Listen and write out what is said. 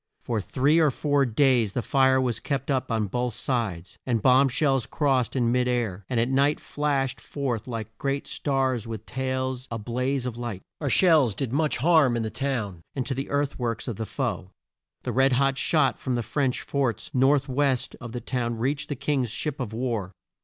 For three or four days the fire was kept up on both sides, and bomb shells crossed in mid air, and at night flashed forth like great stars with tails a blaze of light. Our shells did much harm in the town, and to the earth works of the foe. The red hot shot from the French forts north west of the town reached the King's ships of war.